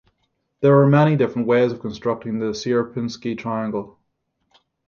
There are many different ways of constructing the Sierpinski triangle.